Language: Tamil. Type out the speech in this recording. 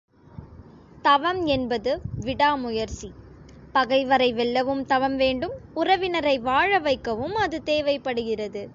தவம் என்பது விடாமுயற்சி, பகைவரை வெல்லவும் தவம் வேண்டும் உறவினரை வாழ வைக்கவும் அது தேவைப்படுகிறது.